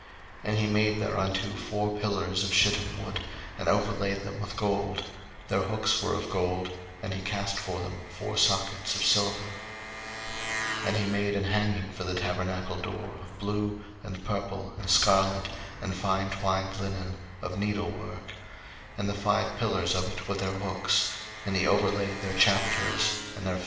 02:036:036 And he made thereunto four pillars of shittim wood, and overlaid them with gold: their hooks were of gold; and he cast for them four sockets of silver. 02:036:037 And he made an hanging for the tabernacle door of blue, and purple, and scarlet, and fine twined linen, of needlework; 02:036:038 And the five pillars of it with their hooks: and he overlaid their chapiters and their fillets with gold: but their five sockets were of brass.